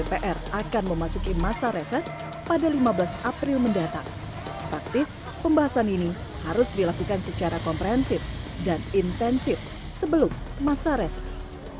praktis pembahasan ini harus dilakukan secara komprehensif dan intensif sebelum masa reses